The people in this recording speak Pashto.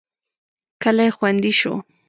کلی خوندي شو.